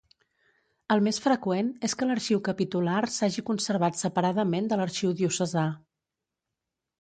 El més freqüent és que l'arxiu capitular s'hagi conservat separadament de l'arxiu diocesà.